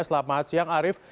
selamat siang arief